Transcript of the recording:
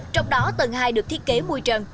trong đó tầng hai được thiết kế mùi trần